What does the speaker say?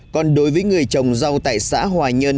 còn đối với người chồng dâu tại xã hòa nhân